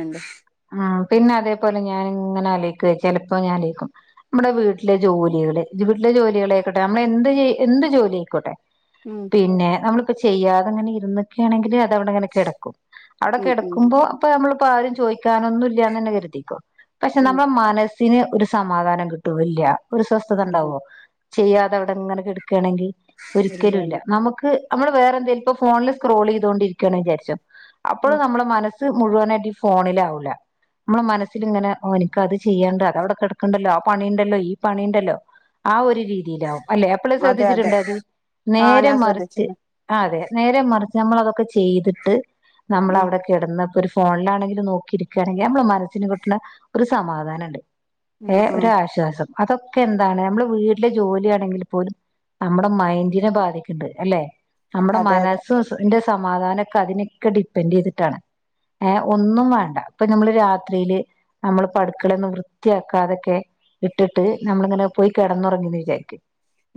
ആഹ് ആഹ് പിന്നെ അതേപോലെ ഞാന് ഇങ്ങനെ ആലോചിക്കും ചിലപ്പോ ഞാൻ ആലോചിക്കും നമ്മുടെ വീട്ടിലെ ജോലികള് വീട്ടിലെ ജോലികളൊയിക്കോട്ടെ നമ്മളെന്ത് എന്ത് എന്ത് ജോലി ആയിക്കോട്ടെ മ്മ് പിന്നെ നമ്മളിപ്പ ചെയ്യാതെങ്ങനെ ഇരുന്നൊക്കെ ആണെങ്കിൽ അത് അവിടെങ്ങനെ കിടക്കും അവിടെ ഉം ഉം കിടക്കുമ്പോ ഇപ്പോ നമ്മളിപ്പോ ആരും ചോദിക്കാനൊന്നും ഇല്ലന്ന് തന്നെ കരുതിക്കോ പക്ഷെ ഉം നമ്മുടെ മനസ്സ് സ്സിന് ഒരു സമാധാനം കിട്ടുവോ ഇല്ല ഒരു സ്വസ്ഥത ഉണ്ട് ഉണ്ടാവോ ചെയ്യാതെ അവിടെ ഇങ്ങനെ കെടക്കുകയാണെങ്കിൽ ഒരിക്കലും ഇല്ല ഇല്ലല്ല നമുക്ക് നമ്മള് വേറെ എന്തെലും ഇപ്പോ ഫോണില് സ്ക്രോൾ ചെയ്തൊണ്ടിരിക്കുകയാന്ന് വിചാരിച്ചോ ഉം അപ്പോളും നമ്മുടെ മനസ് മുഴുവനായിട്ട് ഈ ഫോണിലാവൂല നമ്മള് മനസ്സിൽ ഇങ്ങനെ ഓഹ് എനിക്ക് അത് ചെയ്യാനുണ്ട് അത് അവിടെ കിടക്കണ്ടല്ലോ ആ പണിയുണ്ടല്ലോ ഈ പണിയുണ്ടല്ലോ ആ ഒരു രീതിയിലാവും അല്ലെ എപ്പോളെലും അതെ അതെ ശ്രദ്ധിച്ചിട്ടുണ്ടോ അത് ആഹ് നേരെ ഞാൻ മറിച്ച് ശ്രദ്ധിച്ചിരുന്നു അതെ നേരെ മറിച്ച് നമ്മൾ അതൊക്കെ ചെയ്തിട്ട് നമ്മൾ ഉം അവിടെ കിടന്നോക്ക് ഒരു ഫോണിലാണെങ്കിലും നോക്കിയിരിക്കുകയാണെങ്കിൽ നമ്മുടെ മനസ്സിന് കിട്ടുന്ന ഒരു സമാധാനമുണ്ട് ഉം ഏഹ് ഉം ഒരു ആശ്വാസം അതൊക്കെ എന്താണ് നമ്മള് വീട്ടില് ജോലി ചെയ്യുവാണെങ്കിൽ പോലും നമ്മുടെ മൈൻ്റിനെ ബാധിക്കണുണ്ട് അല്ലെ നമ്മുടെ അതെ അതെ മനസ് ന്റെ സമാധാനംൊക്കെ അതിനൊക്കെ ഡിപ്പെെൻഡ് യ്തിട്ടാണ് ഏഹ ഒന്നും വേണ്ട ഇപ്പൊ നമ്മള് രാത്രിയില് നമ്മള് പടുക്കളൊന്നും വൃത്തിയാക്കാതൊക്കെ ഇട്ടിട്ട് നമ്മളിങ്ങനെ പോയി കിടന്നുറങ്ങി വിചാക്ക്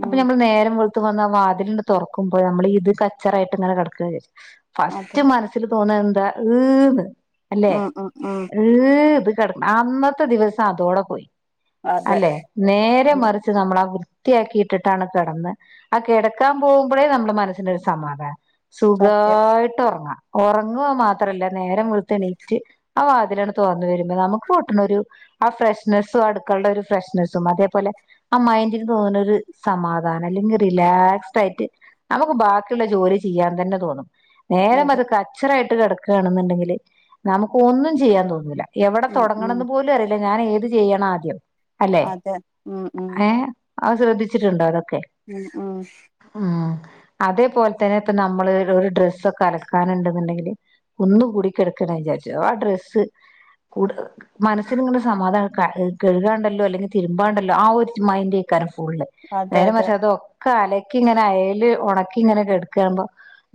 അപ്പൊ ഉം നമ്മള് നേരം വ വാതിലി തുറക്കുമ്പോ നമ്മളി ഇത് കച്ചറായിട്ട് ഇങ്ങനെ കടയ്ക്ക്ണില്ലെ അതെ ഫസ്റ്റ് തോന്നാ ലന്താ ഉം ഉ ഉം ഏഹ് ഇത് കിടക്കണം അന്നത്തെ ദിവസം അതോടെ പോയി അതെ അല്ലെ നേരെ ഉം മറിച്ച്ു നമ്മളാ വൃത്തിയാക്കി ഇട്ടിട്ടാണ് കിടന്ന് ആഹ കിടക്കാൻ പോകുമ്പോഴേ നമ്മുടെ മനസ്സിനൊ രു സമാധാന സത്യം സുഖായിട്ട് ഉറങ്ങാം ഉറങ്ങുവ മാത്രല്ല നേരം വളുത്ത് എണീറ്റ് അ വാതിലൊന്ന് തോറന്നു വരുമ്പോ നമുക്ക് കിട്ടണരു ആ ഫ്രഷ്നസ്സും അടുക്കളുടെ ഒരു ഫ്രഷ്നസ്സും അതേപോലെ അ മൈന്റിക്ക് തോന്നുന്നരു സമാധാനം അല്ലെങ്കിൽ റിലാക്സ് ആയിട്ട് നമുക്ക് ബാക്കിയുള്ള ജോലി ചെയ്യാൻ തന്നെ തോന്നും നേരം അതെ അത് കച്ചറായിട്ട് കിടക്കുകയാണെന്നുണ്ടെങ്കില് നമുക്ക് ഒന്നും ചെയ്യാൻ തോന്നൂല എവിടെ ഉം ഉം തുടങ്ങണന്ന് പോലും അറിയില്ല ഞാൻ ഏത് ചെയ്യണം ആദ്യം അല്ലെ അതെ ഉം ഉം ഏഹ അത് ശ്രദ്ധിച്ചിട്ടുണ്ടോ അതൊക്കെ ആഹ ഉം അതേപോലെ തന്നെ ഇപ്പ നമ്മള് ഒരു ഡ്രെസ്സ ഒക്കെ അലക്കാനുണ്ടെന്നുണ്ടെങ്കില് കുന്ന് കൂടിക്കിടക്കണ വിചാരിച്ചു ആ ഡ്രസ്സ് കൂടു മനസ്സിിന ഇങ്ങനെ സമാധാനം കഴുകാണ്ടല്ലോ അല്ലെങ്കിൽ തിരുമ്പാണ്ടല്ലോ ആ ഒരു മൈൻഡ്ക്കാനം ഫുള്ള് അതെ അതെ നേരമറിച്ച് അതൊക്കെ അലക്കി ഇങ്ങനെ അയല് ഉണക്കി ഇങ്ങനെൊക്കെ കെടുക്കാണുമ്പോ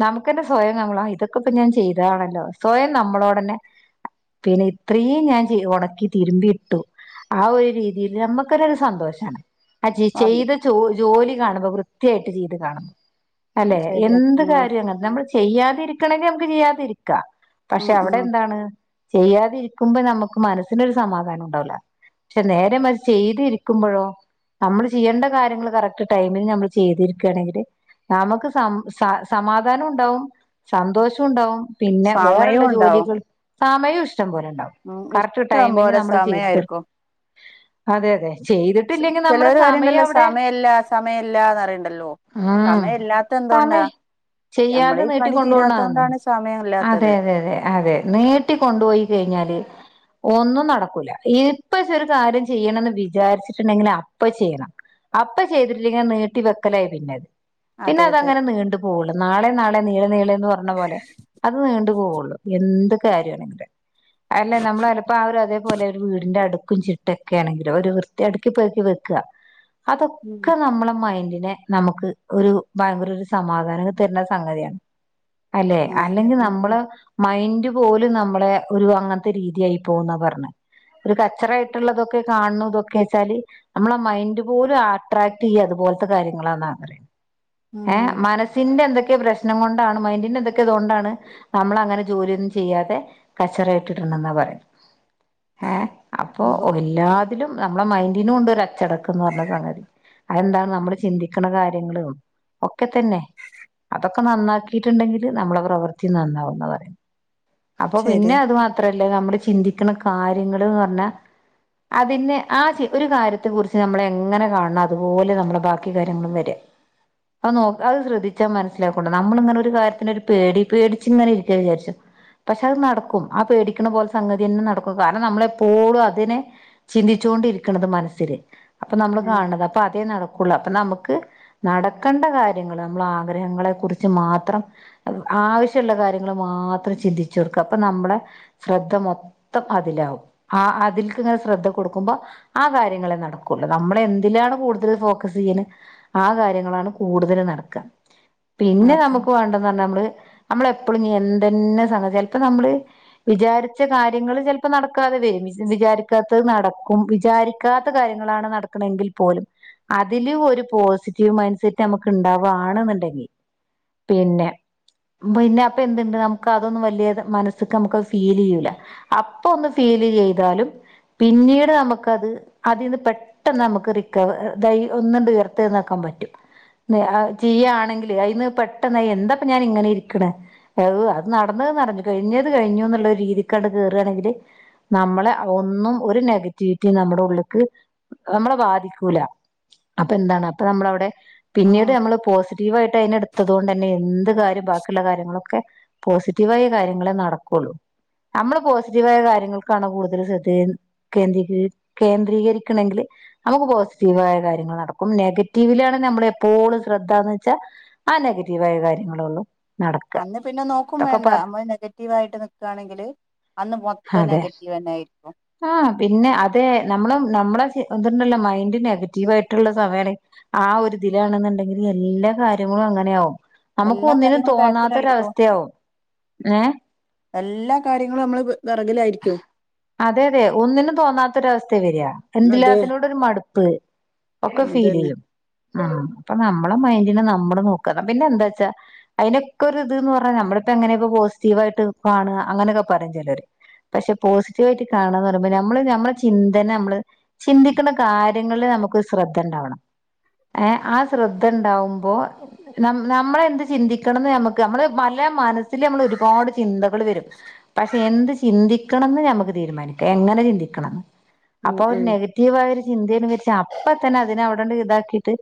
നമുക്കന്നെ സ്വയം നമ്മളാ ഇതൊക്കെ ഇൊ ഞാൻ ചെയ്താണല്ലോ സ്വയം നമ്മളോടന്നെ പിന്നെ ഇത്രയും ഞാൻ ഉണക്കി തിരുമ്പി ഇട്ടു ആ ഒരു രീതിയിൽ നമ്മുക്കരു ഒരു സന്തോഷാണ് അത് ചെയ്തത്ോ ജോലി കാണുമ്പോ വൃത്തിയായിട്ട് ചെയ്ത് കാണുമ്പോ അല്ലെ ശരിയാ എന്ത് ഉം കാര്യം നമ്മള് ചെയ്യാതിരിക്കണമെങ്കിൽ നമുക്ക് ചെയ്യാതിരിക്കാം പക്ഷെ ഉം അവിടെ ഉം എന്താണ് ചെയ്യാതിരിക്കുമ്പോ നമ്മുക്ക് മനസ്സിനൊരു സമാധാനം ഉണ്ടാവൂല പക്ഷെ നേരെ മറിച്ച്ചെയ്തി രിക്കുമ്പോഴോ നമ്മള് ചെയ്യേണ്ട കാര്യങ്ങള്ൾ കറക്ട് ടൈമിൽ നമ്മള് ചെയ്തിരിക്കുകയാണെങ്കില് നമുക്ക് സ സ സമാധാനം ഉണ്ടാവും സന്തോഷം ഉണ്ടാവും പിന്നെ വേറള്ള സമയവും ഉണ്ടാവും ജോലികൾ സമയം ഇഷ്ടം പോലെ ഉണ്ടാവും ഉം കറക്റ്റ് ഇഷ്ടം ടൈമിന് പോലെ നമ്മള് ചെയ്തു തീർും സമയായിരിക്കും അതെ അതെ ചെയ്തിട്ടില്ലെങ്കിൽ നമ്മുടെ ചെലര് സമയം പറയുണണ്ടല്ലോ അവിടെ സമയ ഇല്ല സമയമല്ലന്ന് പറിയണ്ടല്ലോ അഹ സമേയ നമ്മളെ ചെയ്യാതെ ഈ പണി നീട്ടിക്കൊണ്ട പോണ്ടതാണ് തീരാത്തോണ്ടാണ് അതെ സമയമില്ലാത്തത്. അതെ അതെ അതെ നീട്ടിിക്കൊണ്ടുപോയി കഴിഞ്ഞാല് ഒന്നും നടക്കൂല ഇപ്പ ച ഒരു കാര്യം ചെയ്യണന്ന് വിചാരിച്ചിട്ടുണ്ടെങ്കിൽ അപ്പ ചെയ്യണം അപ്പ ചെയ്തിട്ടിലെയങ്കില് നീട്ടി വെക്കലായി പിന്നെത് പിന്നെ അതെ അതെ അതങ്ങനെ നീണ്ടുപോവൊള്ളു നാളെ നാളെ നീള നീളന്ന് പറഞ്ഞ പോലെ അത് നീണ്ടുപോവുള്ളു എന്ത് കാര്യമാണെങ്കില് അല്ലെ നമ്മള ചിലപ്പോ [unintelligible] പോലെ ഒരു വീടിന്റെ അടുക്കും ചിട്ടൊക്കെ ആണെങ്കിലോ ഒരു വൃത്തി അടുക്കി പോക്കി വെക്കുക അതൊക്കെ ഉം ഇ നമ്മളെ മൈൻഡിനെ നമുക്ക് ഒരു ഭയങ്കര ഒരു സമാധാനം തരണ സംഗതിയാണ് അല്ലെ അതെ അല്ലെങ്കിൽ ഉം നമ്മള് മൈൻഡ ഇപ്പം ഓലും നമ്മളെ ഒരു അങ്ങനത്തെ രീതിയായി പോവുന്നാ പറഞ്ഞെ ഒരു കച്ചറായിട്ട്ള്ളതൊക്കെ കാണുതൊക്കെ വെച്ചാല് നമ്മളെ മൈന്റ് പോലും ആട്രാക്റ്റെയ്യാ അതുപോലത്തെ കാര്യങ്ങളാന്നാ പറയാ ഏഹ് ഉം മനസ്സിന്റെ എന്തെക്കെ പ്രശ് ശ്നം കൊണ്ടാണ് മൈന്റിന്റെ എന്തൊക്കെ ഇതൊണ്ടാണ് നമ്മള് അങ്ങനെ ജോലിയൊന്നും ചെ ചെയ്യാതെ കച്ചറ ഇട്ടിട്ട്ണ്ടെന്നാ പറയാ ഏ അപ്പം നമുക്ക് ഓ എല്ലാതിലും നമ്മളെ മൈന്റിനുണ്ട് ഒര് അച്ചടക്കം എന്ന് പറഞ്ഞ സംഗതി അതെന്താ നമ്മള് ചിന്തിക്ക്ന്ന കാര്യങ്ങളോ ഒക്കെത്തെന്നെ അതൊക്കെ നന്നാക്കീട്ട്ണ്ടെങ്കില് നമ്മളെ പ്രവൃത്തി നന്നാവുന്നാ പറയ അപ്പൊ പിന്നെ ശരിയാ അത് മാത്രല്ല നമ്മള് ചിന്തിക്ക്ണ കാര്യങ്ങള്ന്ന് പറഞ്ഞാ അതിന് ആ [unintelligible] ഒരു കാര്യത്തെ കുറിച്ച് നമ്മള് എങ്ങനെ കാണണം അതുപോലെ നമ്മളെ ബാക്കി കാര്യങ്ങളും വെര അത് നോ അത് ശ്രദ്ധിച്ചാൻ മനസ്സിലാക്കൊണ്ട് നമ്മളിങ്ങനെ ഒരു കാര്യത്തിനൊര് പേടി പേടിച്ച് ഇങ്ങനെ ഇരിക്കാ വിചാരിച്ചു പക്ഷെ അത് നടക്കും ആ പേടിക്ക്ണ പോലെ സംഗതിയെന്നെ നടക്കും കാരണം നമ്മളെപ്പോളും അതിന് ചിന്തിച്ചൊണ്ടിരിക്ക്ണത് മനസ്സില് അപ്പം നമ്മള് ഉം കാണ്ന്നത് അപ്പം അതേ നടക്കൊള്ളൂ അപ്പൊ നമുക്ക് നടക്കേണ്ട കാര്യങ്ങള് നമ്മളെ ആഗ്രഹങ്ങളെ കുറിച്ച് മാത്രം ആവശ്യള്ള കാര്യങ്ങള് മാത്രം ചിന്തിച്ചൊട്ക്ക അപ്പം നമ്മളെ ശ്രദ്ധ മൊ ത്തം അതിലാവും ആ അതില്ക്ക് ഇങ്ങനെ ശ്രദ്ധ കൊട്ക്ക്മ്പം ആ കാര്യങ്ങളെ നടക്കൊള്ളൂ നമ്മളെന്തിലാണ് കൂട്തല് ഫോക്കസെയ്യ്ണ് ആ കാര്യങ്ങളാണ് കൂടുതല് നടക്കാ പിന്നെ അതെ നമുക്ക് വേണ്ടന്ന് പറഞ്ഞാ നമ്മള് നമ്മള് എപ്പളും ഇഞ്ഞെ ന്തെന്നെ സംഗതി ചെല്പ്പം നമ്മള് വിചാരിച്ച കാര്യങ്ങള് ചെലപ്പോ നടക്കാതെ വരും വി വിചാരിക്കാ ത്തത് നടക്കും വിചാരിക്കാത്ത കാര്യങ്ങളാണ് നടക്ക്ണെങ്കിൽ പോലും അതില് ഒരു പോസിറ്റീവ് മൈന്റ്സെറ്റ് നമുക്ക് ഇണ്ടാവാണ്ന്ന്ണ്ടെങ്കിൽ പിന്നെ പിന്നെ അപ്പം എന്ത്‌ണ്ട് ന ക്കതൊന്നും വല്യേത് മനസ്സ്‌ക്ക് നമ്മക്കത് ഫീലെയ്യൂല അപ്പൊന്ന് ഫീല് ചെയ്താലും പിന്നീട് നമ്മക്കത് അതീന്ന് പെ ട്ടെന്ന് നമുക്ക് റിക്കവ [unintelligible] ഒന്നാണ്ട് ഉയർത്ത് ഏഴ്ന്നേക്കാ പറ്റും ത് അത് ചെയ്യാണെങ്കില് അയിന്ന് പെട്ടെന്ന് എന്താപ്പം ഞാനിങ്ങനെ ഇരിക്ക്ണെ [unintelligible] അ നടന്നത് നടന്ന് കഴിഞ്ഞത് കഴിഞ്ഞൂന്ന്ള്ളൊരു രീതിക്കാണ്ട് കേറാണെങ്കില് നമ്മളെ ഒന്നും ഒരു നെഗറ്റിവിറ്റി നമ്മുടെ ഉള്ള്ക്ക് നമ്മളെ ബാധിക്കൂല അപ്പെന്താണ് അപ്പം നമ്മളവിടെ പിന്നീട് ഉം നമ്മള് പോസിറ്റീവായിട്ട് അയിനെ ഇട്ത്തതോടെന്നെ എന്ത് കാര്യം ബാക്കിള്ള കാര്യങ്ങളൊക്കെ പോസിറ്റീവായ കാര്യങ്ങളെ നടക്കൊള്ളൂ നമ്മള് പോസിറ്റീവായ കാര്യങ്ങൾക്കാണ് കൂടുതല് ശ്രദ്ധ കേന്ദ്രീക കേന്ദ്രീകരിക്ക്ണെങ്കില് നമുക്ക് പോസിറ്റീവായ കാര്യങ്ങൾ നടക്കും നെഗറ്റീവിലാണ് നമ്മളെ എപ്പോളും ശ്രദ്ധാന്ന് വെച്ചാ ആ നെഗറ്റീവായ കാര്യങ്ങളൊള്ളൂ നടക്ക അന്ന് പിന്നെ നോക്കും വേണ്ട നമ്മ ള് നെഗറ്റീവായിട്ട് നിക്കാണെങ്കില് അന്ന് മൊത്തം അതെ നെഗറ്റീവെന്നെ ആയിരിക്കും ആഹ് പിന്നെ അതെ നമ്മളെ നമ്മളെ ഇത്ണ്ടല്ലോ മൈൻഡ് നെഗറ്റീവായിട്ട്ള്ള സമയാണെ ആ ഒര്തിലാണ്ന്ന്ണ്ടെങ്കില് എല്ലാ കാര്യങ്ങളും അങ്ങനെയാവും നമുക്ക് എല്ലാ ഒന്നിനും കാര്യങ്ങളും തോന്നാത്തൊര് ബാക്കിലായിരിക്കും. അവസ്ഥയാവും ഏഹ് എല്ലാ കാര്യങ്ങളും നമ്മള് വ് വെറകിലായി ക്ക്യും അതെ അതെ ഒന്നിനും തോന്നാത്തൊര് അവസ്ഥേ വെര അതെ എന്ത്‌ല്ലാത്തേനോടൊര് മട്പ്പ് ഒക്കെ ഫീല് അതന്നെ ചെയ്യും ഉം അപ്പൊ നമ്മളെ മൈൻഡിനെ നമ്മള് നോക്ക പിന്നെ എന്താ വച്ചാ അതിനൊക്കെ ഒരു ഇത് ന് പറഞ്ഞാൽ നമ്മളിപ്പോ എങ്ങനെ ഇപ്പോ പോസിറ്റീവ് ആയിട്ട് കാണാ അങ്ങനെയൊക്കെ പറയും ചിലര് പക്ഷെ പോസിറ്റീവ് ആയിട്ട് കാണന്ന് പറയ്പോ നമ്മള് നമ്മളെ ചിന്തനെ നമ്മള് ചിന്തിക്കണ കാര്യങ്ങളില് നമുക്ക് ശ്രദ്ധ ഉണ്ടാവണം ഏഹ് ആ ശ്രദ്ധ ഉണ്ടാവുമ്പോ ന നമ്മള എന്ത് ചിന്തിക്കണംന്ന് നമ്മക്ക് നമ്മള് മല്ല മനസ്സിൽ നമ്മള് ഒരുപാട് ചിന്തകള് വരും പക്ഷെ എന്ത് ചിന്തിക്കണംന്ന് ഞമുക്ക് തീരുമാനിക്കാം എങ്ങനെ ചിന്തിക്കണംന്ന് ഉം അപ്പൊ ഒരു ഉം നെഗ റ്റീവായൊരു ചിന്തയ്നുവച്ച് അപ്പം തന്നെ അതിനെ അവിടണ്ട് ഇതാക്കിയിട്ട്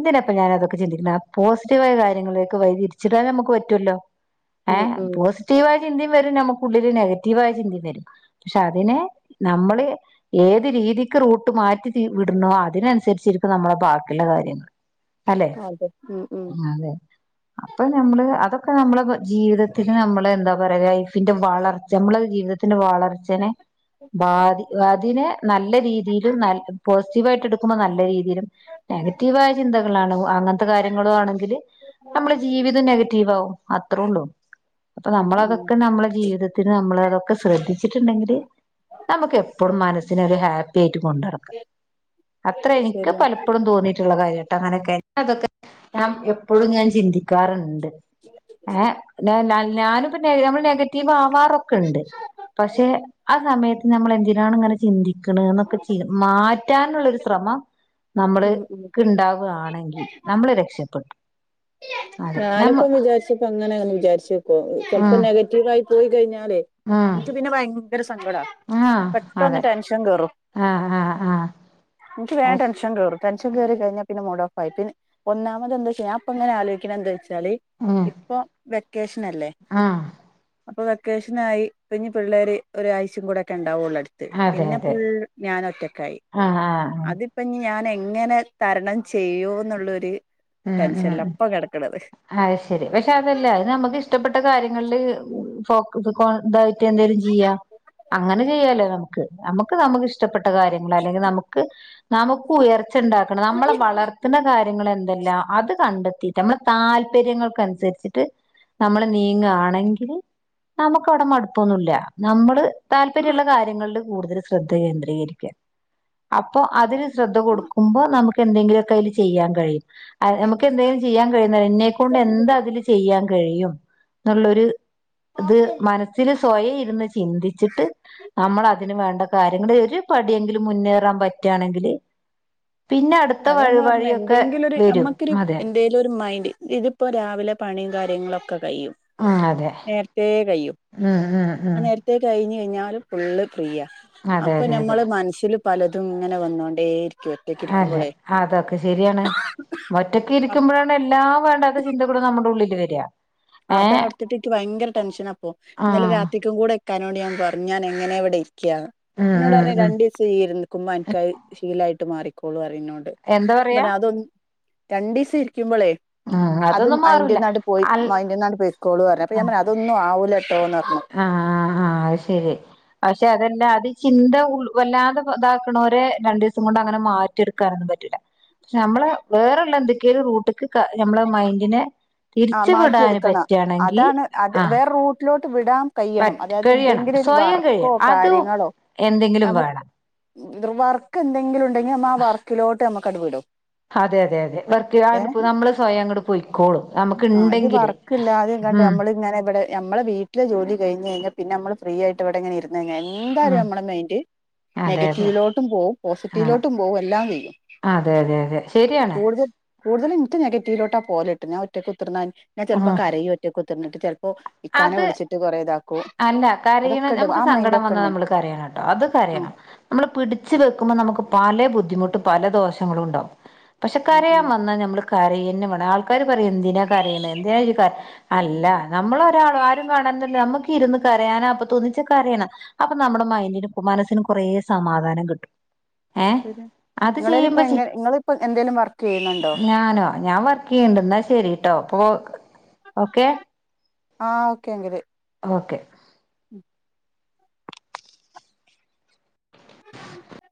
എതിനാപ്പം ഞാന് അതൊക്കെ ചിന്തിക്കണെ ആ പോസിറ്റീവായ കാര്യങ്ങളൊക്കെ വൈയ്തിരിച്ചിടാൻ നമുക്ക് പറ്റുമല്ലോ ഉം ഏഹ് ഉം പോസിറ്റീവ ആയ ചിന്തയും വരും നമുക്കുള്ളില് നെഗറ്റീവ ആയ ചിന്തി വരും പക്ഷെ അതിനെ നമ്മള് ഏത് രീതിക്ക് റൂട്ട് മാറ്റി വിടുന്നോ അതിനനുസരിച്ചിരിക്കും നമ്മളുടെ ബാക്കിയുള്ള കാര്യങ്ങൾ അല്ലെ അതെ ഉം ഉം അതെ അപ്പൊ നമ്മള് അതൊക്കെ നമ്മളെ ജീവിതത്തിന് നമ്മള് എന്താ പറയാ ലൈഫിന്റെ വളർച്ച നമ്മളെ ജീവിതത്തി ത്ത്ന്റെ വളർച്ചെനെ ബാതി അതിനെ നല്ല രീതിയിലും നല്ല പോസിറ്റീവ ആയിട്ട് എടു നല്ല രീതിയിലും നെഗറ്റീവ ആയ ചിന്തകളാണ് അങ്ങനത്തെ കാര്യങ്ങളും ആണെങ്കിൽ നമ്മളെ ജീവിതം നെഗറ്റീവ് ആകും അത്രേ ഒള്ളൂ അപ്പൊ ഉം ഉം നമ്മളതൊക്കെ നമ്മളെ ജീവിത നമ്മള് അതൊക്കെ ശ്രദ്ധിച്ചിട്ടുണ്ടെങ്കിൽ നമുക്ക് എപ്പോഴും മനസ്സിന് ഒരു ഹാപ്പി കേറ്റും കൊണ്ട് നടക്കാം അത്ര എനിക്ക് ശരിയാ പലപ്പോഴും തോന്നിയിട്ടുള്ള കാര്യട്ടെ അങ്ങനെയൊക്കെ അതൊക്കെ ഞാം എപ്പോഴും ഞാൻ ചിന്തിക്കാറുണ്ട് ഉ ഏഹ് ഞാനും ഇപ്പം നമ്മള് നെഗറ്റീവ് ആവാറൊക്കെ ഇണ്ട് പക്ഷേ ആ സമയ സമയത്ത് നമ്മള് എന്തിനാണ് ഇങ്ങനെ ചിന്തിക്കുന്നത് എന്നൊക്കെ ചെയ മാറ്റാനുള്ളരു ശ്രമം ഉം ഉം നമ്മള്ക്ക് ഉണ്ടാവുകയാണെങ്കിൽ നമ്മള് രക്ഷപ്പെട്ടു അതെ നമ്മ ഞാനിപ്പം വിചാരിച്ചപ്പ അങ്ങനെ അന്ന് വിചാരിച്ചേക്കോ ഉം നെഗറ്റീവ ആയി പോയി കഴിഞ്ഞാലേ ഉം എനിക്ക് പിന്നെ ഭയങ്കര സങ്കടാ ആഹ് പെട്ടന്ന് അതെ ടെൻഷൻ കേറും ആഹ് ആഹ് ആഹ് ഇനിക്ക് അത് വേഗം ടെൻഷൻ കേറും ടെൻഷൻ കേയറി കഴിഞ്ഞ പിന്നെ മൂഡ്ഓഫ് ആയി പിന്ന ഒന്നാമത് എന്താച്ചേ ഞാൻ ഇപ്പൊങ്ങെ ആലോചിച്ചാലേ എന്താ വച്ചാല് ഉം ഇപ്പൊ വെക്കേഷൻല്ലേ ആഹ് അപ്പൊ വെക്കേഷനായി ഇപ്പം ഇഞ്ഞ് പിള്ളേര് ഒരാഴ്ചയും കൂടെ ഒക്കെ ഇണ്ടാവുള്ളൂ അ അതെ അതെ പിന്നെപ്പം ഞാന് ഒറ്റക്കായി ആഹ് ആഹ് ആഹ് അത് ഇപ്പം ഞാൻ എങ്ങനെ തരണം ചെയ്യൂ എന്നുള്ളരു ആഹ് ആഹ് അയ ശെരി പക്ഷെ അതല്ല അത് നമുക്ക് ഇഷ്ടപ്പെട്ട കാര്യങ്ങളില് [unintelligible] എന്തെലും ചെയ്യാം അങ്ങനെ ചെയ്യാലോ നമുക്ക് നമുക്ക് നമുക്ക്ഷ്ടപ്പെട്ട കാര്യങ്ങൾ അല്ലെങ്കിൽ നമുക്ക് നമുക്ക് ഉയർച്ച ഇണ്ടാക്കണം നമ്മളെ വളർത്തുന്ന കാര്യങ്ങൾ എന്താ അതല്ല അത് കണ്ടെത്തി് നമ്മെളെ താല്പര്യങ്ങൾക്ക് അനുസരിച്ചിട്ട് നമ്മള് നീങ്ങയാണെങ്കിൽ നമുക്ക് അവിടെ മടുപ്പൊന്നും ഇല്ല നമ്മള് താല്പര്യമുള്ള കാര്യങ്ങളിൽ കൂടുതൽ ശ്രദ്ധ കേന്ദ്രീകരിക്ക അപ്പൊ അതിന് ശ്രദ്ധ കൊടുക്കുമ്പോ നമുക്ക് എന്തെങ്കിലുമൊക്കെ അതിൽ ചെയ്യാൻ കഴിയും നമുക്ക് എന്തെങ്കിലും ചെയ്യാൻ കഴിയുന്ന എന്നെക്കൊണ്ട് എന്താ അതില് ചെയ്യാൻ കഴിയും എന്നുള്ളരു ത് മനസ്സിൽ സ്വയം ഇരുന്ന് ചിന്തിച്ചിട്ട് നമ്മൾ അതിന് വേണ്ട കാര്യങ്ങൾ ഒരു പടിയെങ്കിലും മുന്നേറാൻ പറ്റാ ണെങ്കില് പിന്നെ അടു അത ഞാപറഞ്ഞ എന്തെങ്കിലും ഒരു നമ്മക്കൊരു അതെ എന്തെ ഇ ഒരു മൈൻഡ് ഇതിപ്പോ രാവിലെ പണിയും കാര്യങ്ങളൊക്കെ കഴിയും ഉം അതെ നേർത്തെ കഴിയും [unintelligible] ഉം ഉം ഉം ത്തെ കഴിഞ്ഞ് കഴിഞ്ഞാല് ഫുള്ള് ഫ്രീയ അതെ അപ്പൊ അതെ അതെ നമ്മള് മനസ്സിൽ പലതും ഇങ്ങനെ വന്നോണ്ടേയിരിക്കുവ ആ ല്ലെ അതൊക്കെ ശരിയാണ് ഒറ്റൊക് ഇരിക്കുമ്പോഴാണ് എല്ലാ വേണ്ടാത്ത ചിന്തകൾ നമ്മുടെ ഉള്ളിൽ വരിക ഏ അതോർത്തിട്ട് എനിക്ക് ഭയങ്കര ടെൻഷനാപ്പോ ആ ഇന്നലെ രാത്രിക്കും കൂടെ ഇക്കാനോട് ഞാൻ പറഞ്ഞു ഞാൻ എങ്ങനെ ഇവിടെ ഇരിക്കാന്ന് ഉം ഉം ഇന്നോട്ർഞ്ഞു ഉം രണ്ടിസം [unintelligible] അ നക്ക് ശീലായിട്ട് മാറിക്കോളുറിംന്നോട് എന്താ പറയാ [unintelligible] രണ്ടിസം ഇരിക്കുമ്പളേ ഉം അത് അതൊന്നും മയിന്റെ മാറൂല ന്നാട്പോയി അൽ മൈൻഡ് ന്നാണ്ട് പൊയ്ക്കോളുംർഞ് അപ്പ ഞൻ പറഞ് അതൊന്നും ആകൂലട്ടോ ആ ആ അത് ശരി പക്ഷെ അതെല്ല അത് ചിന്ത ഉൾ വല്ലാതെ ഇതാക്കണവരെ രണ്ടു ദിവസം കൊണ്ട് അങ്ങനെ മാ റ്റിട്ക്കാനൊന്നും പറ്റുല്ല പക്ഷെ നമ്മള് വെറള്ള എന്തൊക്കെയും റൂട്ടക്ക് നമ്മളെ മൈന്ഡിനെ ആ മാറ്റിയെടുക്കണ അതാണ് അത് ആഹ് വേറെ റൂട്ടിലോട്ട് വിടാം കയ്യണം പറ്റ് അതായത് കഴിയണം എന്തെങ്കിലുരു സ്വയം വർക്കോ കഴിയണം അതും കാര്യങ്ങളോ എന്തെങ്കിലും നമക്ക്- വേണം വർക്ക് എന്തെങ്കിലും ഇണ്ടെങ്കി നമ്മ ആ വർക്കിലോട്ട് നമ്മക്ക് അടപടും അതെ അതെ അതെ വെറുതെയാണെപ്പത് നമ്മള് സ്വയങ്ങട് പോയ്ക്കോളും നമക്ക് ഇണ്ടെങ്കില് മ് ങ്ങനെ ഇബടെ നമ്മെളേ വീട്ടില് ജോലി കഴിഞ്ഞ് ഴിഞ്ഞാ പിന്നെ നമ്മ ഫ്രീയിട്ട് ഇവിടെ ഇങ്ങനെ ഇരുന്ന് കഴിഞ്ഞാ എന്തായാലും ഉം നമ്മളേ മൈൻഡ് അതെ അതെ നെഗറ്റീവിലോട്ടും പോവും ആഹ് പോസിറ്റീവിലോട്ടും പോവും എല്ലാം വരും അതെ അതെ അതെ ശെരിയാണ് കൂടുതല ഇന്ക് നെഗറ്റീവിലോട്ട് പോലെട്ട് ഞാ ഒറ്റക്ക് കുത്തിർന്നാ ഞാ ൻ ചെലപ്പ ഉം കരയൊ ഒറ്റക് കുത്തിർനിട്ട് ചെല്പ്പോ ഇക്കാനെ അത് വിളിച്ചിട്ട് കുറേ ഇതാക്കും അല്ല കരയണെ അതൊക്കെ ഇണ്ട് നമക്ക് ആ മൈൻഡ് സങ്കടം ഒക്കെ വന്ന് ഇണ്ട് നമ്മൾ കരയണം കേട്ടോ അത് ആഹ് കരയണം നമ്മള് പിടിച്ച് വെക്കുമ്പോ നമക്ക് പല ബുദ്ധിമുട്ടും പല ദോഷങ്ങളും ഇണ്ടാവും പക്ഷെ ഉം കരയാൻ ഉം വന്നാ നമ്മള് കരയന്നെ വേണം ആൾ ആൾക്കാര് പറയും എന്തിന കരയണെ എന്തിനായ് കരിണെ അല്ല നമ്മള ഒരാളോ ആരും കാണണ്ടല്ലോ ര്ന്ന് കയാനാപ്പതോന്നിച്ച കരയണം അപ്പൊ നമ്മുടെ മൈന്ഡിനും മനസ്സിനും കൊറേ സമാധാനം കിട്ടും ഏ ശരിയാ അത് നിങ്ങളേല് ഇപ്പ ചെയ്യുമ്പ എങ്ങനെ നിങ്ങളിപ്പോ എന്തേലും വർക്ക് ചെയ്യുന്നുണ്ടോ ഞാനോ ഞാൻ വെർ ചെയ്യണ്ട് ന്നാ ശരിട്ടോ പ്പൊ ഓക്കെ ആ ഓക്കെ എങ്കില് ഓക്കെ ഉം [inaudible]